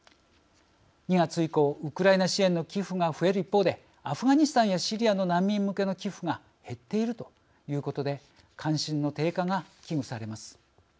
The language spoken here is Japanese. ２月以降ウクライナ支援の寄付が増える一方でアフガニスタンやシリアの難民向けの寄付が減っているということで関心の低下が危惧されます。